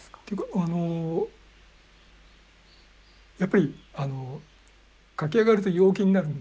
あのやっぱり書き上がると陽気になる。